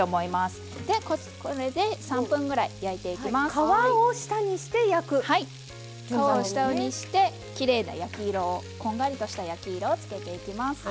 皮を下にしてきれいな焼き色をこんがりとした焼き色を付けていきます。